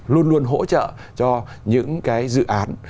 luôn luôn hỗ trợ cho những cái dự án